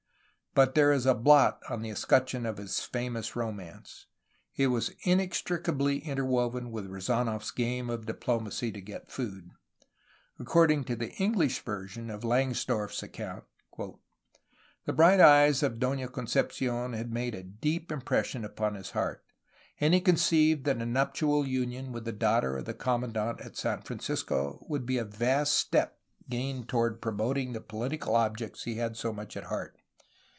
But there is a blot on the escutcheon of this famous romance. It was inextricably interwoven with Rezanof's game of diplomacy to get food. According to the English version of Langsdorff's account: "The bright eyes of Donna Conception had made a deep im pression upon his heart; and he conceived that a nuptial union with the daughter of the Commandant at St. Francisco would be a vast step gained towards promoting the political objects he had so much at heart.